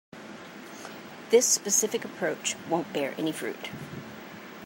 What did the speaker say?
This specific approach won't bear any fruit.